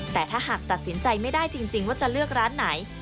แต่ถ้าหากตัดสินใจไม่ได้จริงว่าจะเลือกร้านไหน